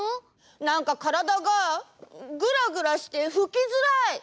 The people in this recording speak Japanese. なんかからだがぐらぐらしてふきづらい！